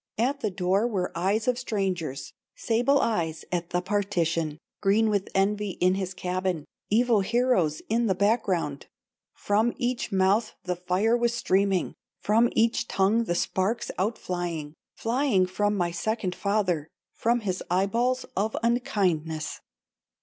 "At the door were eyes of strangers, Sable eyes at the partition, Green with envy in his cabin, Evil heroes in the back ground, From each mouth the fire was streaming, From each tongue the sparks out flying, Flying from my second father, From his eyeballs of unkindness.